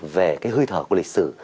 về cái hơi thở của lịch sử